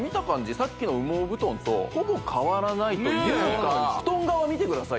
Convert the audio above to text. さっきの羽毛布団とほぼ変わらないというか布団側見てください